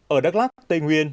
ở đắk lắc tây nguyên